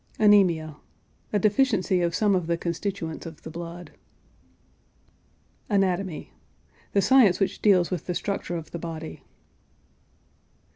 ANEMIA. A deficiency of some of the constituents of the blood. ANATOMY. The science which deals with the structure of the body.